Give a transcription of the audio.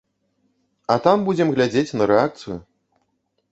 А там будзем глядзець на рэакцыю.